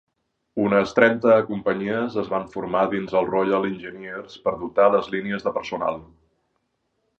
Unes trenta companyies es van formar dins els Royal Engineers per dotar les línies de personal.